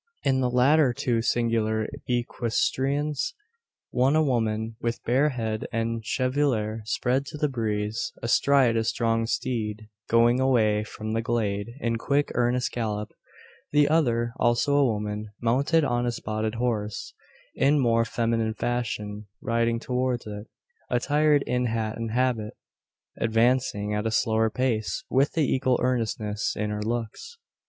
In the latter two singular equestrians: one a woman, with bare head and chevelure spread to the breeze, astride a strong steed, going away from the glade in quick earnest gallop; the other, also a woman, mounted on a spotted horse, in more feminine fashion, riding towards it: attired in hat and habit, advancing at a slower pace, but with equal earnestness in her looks.